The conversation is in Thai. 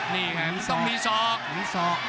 เกิดต้องมีสอก